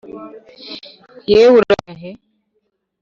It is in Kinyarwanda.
yewe urajya he?